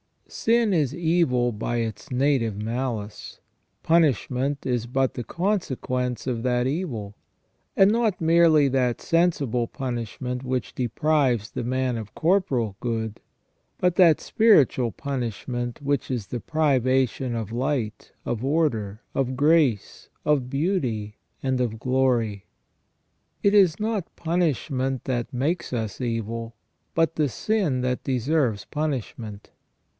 Sin is evil by its native malice ; punishment is but the consequence of that evil; and not merely that sensible punishment which deprives the man of corporal good, but that spiritual punishment which is the privation of light, of order, of grace, of beauty, and of glory. It is not punishment that makes us evil, but the sin that deserves punishment.